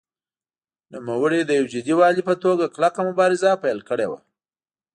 نوموړي د یو جدي والي په توګه کلکه مبارزه پیل کړې وه.